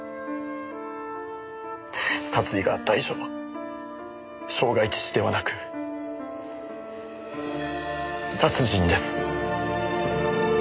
殺意があった以上傷害致死ではなく殺人です。